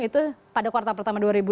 itu pada kuartal pertama dua ribu lima belas